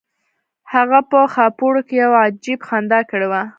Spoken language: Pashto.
هغه په خاپوړو کې یو عجیب خندا کړې وه